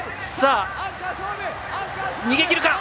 逃げきるか！